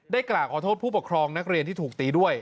กล่าวขอโทษผู้ปกครองนักเรียนที่ถูกตีด้วย